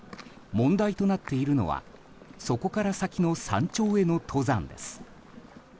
問題となっているのはそこから先の山頂への登山です。